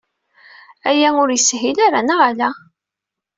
Aya ur yeshil ara, neɣ ala?